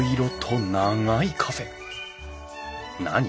何？